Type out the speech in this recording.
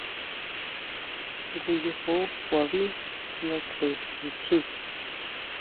Jngu yojo ʼkuaví nga kjue nitjín.